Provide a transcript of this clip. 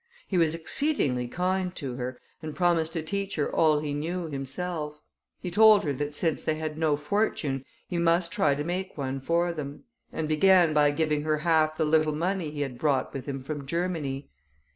He was exceedingly kind to her, and promised to teach her all he knew himself; he told her that since they had no fortune, he must try to make one for them, and began by giving her half the little money he had brought with him from Germany.